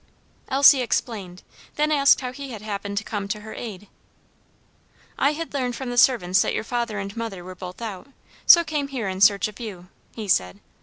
Elsie explained, then asked how he had happened to come to her aid. "I had learned from the servants that your father and mother were both out, so came here in search of you," he said.